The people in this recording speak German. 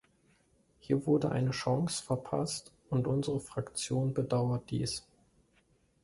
Hier wurde eine Chance verpasst, und unsere Fraktion bedauert dies.